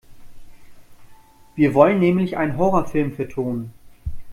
Wir wollen nämlich einen Horrorfilm vertonen.